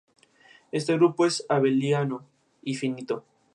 Por su participación en estas acciones sería ascendido a teniente coronel.